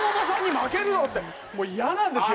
もう嫌なんですよ。